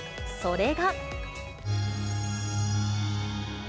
それが。